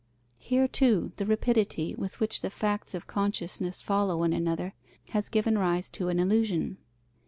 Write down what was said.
Here too, the rapidity, with which the facts of consciousness follow one another has given rise to an illusion.